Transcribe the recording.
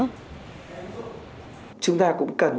chúng ta cũng cần